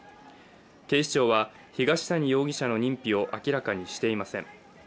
警視庁は東谷容疑者の認否を明らかにしていません。